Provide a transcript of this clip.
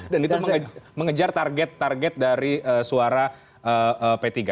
dan itu mengejar target target dari suara p tiga